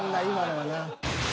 今のはな。